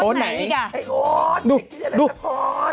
โอ๊ตไหนอีกอ่ะ